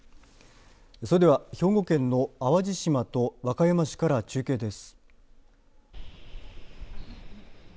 それでは兵庫県の淡路島と和歌山市から中継です。